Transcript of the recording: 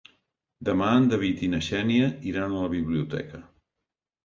Demà en David i na Xènia iran a la biblioteca.